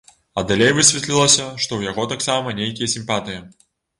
А далей высветлілася, што ў яго таксама нейкія сімпатыі.